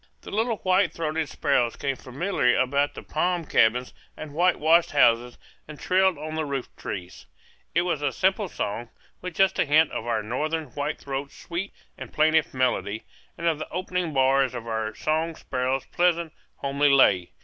The little white throated sparrows came familiarly about the palm cabins and whitewashed houses and trilled on the rooftrees. It was a simple song, with just a hint of our northern white throat's sweet and plaintive melody, and of the opening bars of our song sparrow's pleasant, homely lay.